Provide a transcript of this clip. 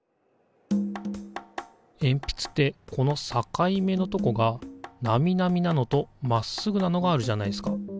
えんぴつってこの境目のとこがナミナミなのとまっすぐなのがあるじゃないですか。